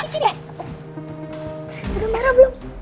siapa yang merah belum